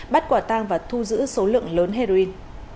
bắt quả tang và thu giữ số lượng lớn heroin